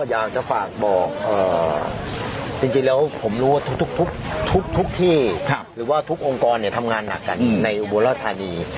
อยากจะฝากบอกจริงแล้วผมรู้ว่าทุกที่หรือว่าทุกองค์กรทำงานหนักกันในอุบลธานี